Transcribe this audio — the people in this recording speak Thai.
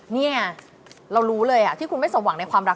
นี่ไงเรารู้เลยที่คุณไม่สมหวังในความรัก